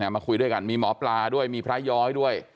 มาคุยด้วยกันมีหมอปลาด้วยมีพระย้อยด้วย